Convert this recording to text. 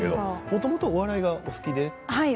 もともとお笑いがお好きなんですか。